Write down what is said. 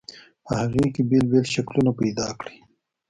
په هغې کې بېل بېل شکلونه پیدا کړئ.